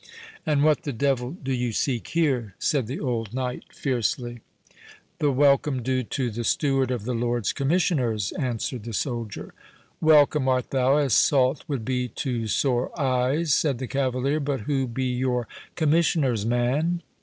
"And what the devil do you seek here?" said the old knight, fiercely. "The welcome due to the steward of the Lords Commissioners," answered the soldier. "Welcome art thou as salt would be to sore eyes," said the cavalier; "but who be your Commissioners, man?"